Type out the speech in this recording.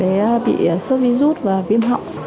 bé bị sốt virus và viêm họng